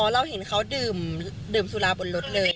เราเห็นเขาดื่มสุราบนรถเลย